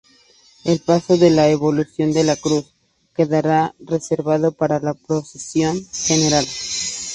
El paso de "La Elevación de la Cruz" quedará reservado para la Procesión General.